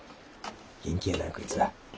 元気やなこいつは。